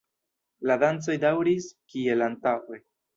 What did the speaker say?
La dancoj daŭris kiel antaŭe.